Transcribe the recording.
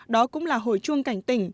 đó cũng là hồi chuông cảnh tỉnh